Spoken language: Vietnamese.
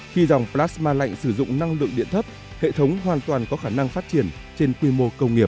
khi dòng plasma lạnh sử dụng năng lượng điện thấp hệ thống hoàn toàn có khả năng phát triển trên quy mô công nghiệp